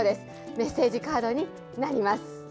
メッセージカードになります。